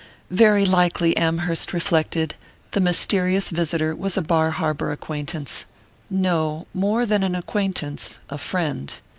Very likely, Amherst reflected, the mysterious visitor was a Bar Harbour acquaintance no, more than an acquaintance: a friend.